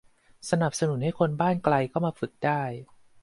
สนับสนุนให้คนบ้านไกลก็มาฝึกได้